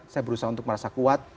saya berusaha untuk merasa kuat